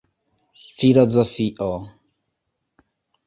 filozofio